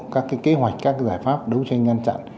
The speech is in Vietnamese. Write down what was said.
các kế hoạch các giải pháp đấu tranh ngăn chặn